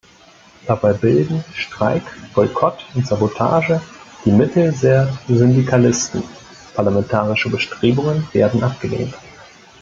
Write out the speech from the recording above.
Dabei bilden Streik, Boykott und Sabotage die Mittel der Syndikalisten; parlamentarische Bestrebungen werden abgelehnt.